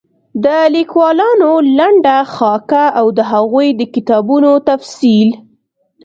د ليکوالانو لنډه خاکه او د هغوی د کتابونو تفصيل